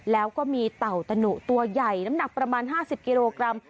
แล้วก็มีเต่าตะหนุตัวใหญ่น้ำหนักประมาณ๕๐กิโลกรัม